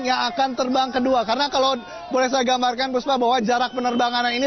yang akan terbang kedua karena kalau boleh saya gambarkan puspa bahwa jarak penerbangan ini